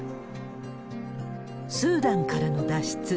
スーダンからの脱出。